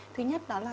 thứ nhất đó là